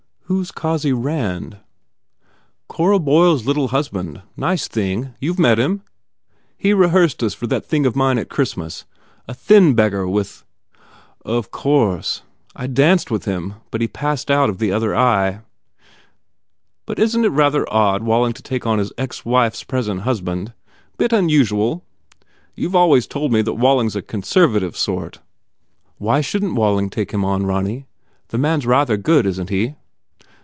"Who s Cossy Rand?" "Cora Boyle s little husband. Nice thing. You ve met him? He rehearsed us for that thing of mine at Christmas. A thin beggar with" 172 TODGERS INTRUDES "Of course. I ve even danced with him but he passed out of the other eye." "But isn t it rather odd for Walling to take on his ex wife s present husband? Bit unusual? You ve always told me that Walling s a conserva tive sort." "Why shouldn t Walling take him on, Ronny? The man s rather good, isn t he?"